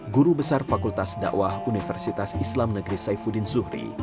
guru besar fakultas dakwah universitas islam negeri saifuddin zuhri